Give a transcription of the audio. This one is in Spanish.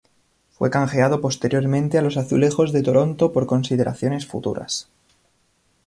Fue canjeado posteriormente a los Azulejos de Toronto por consideraciones futuras.